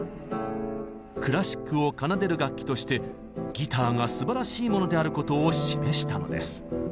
クラシックを奏でる楽器としてギターがすばらしいものであることを示したのです。